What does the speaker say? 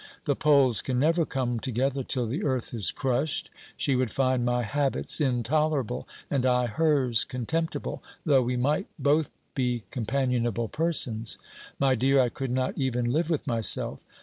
The poles can never come together till the earth is crushed. She would find my habits intolerable, and I hers contemptible, though we might both be companionable persons. My dear, I could not even live with myself.